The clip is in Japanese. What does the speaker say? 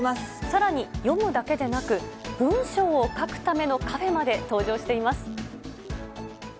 さらに、読むだけでなく、文章を書くためのカフェまで登場しています。